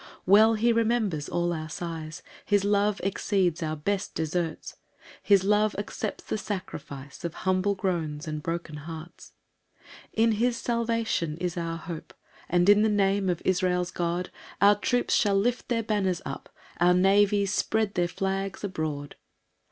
3 Well he remembers all our sighs, His love exceeds our best deserts, His love accepts the sacrifice Of humble groans and broken hearts. 4 In his salvation is our hope, And, in the name of Israel's God, Our troops shall lift their banners up, Our navies spread their flags abroad.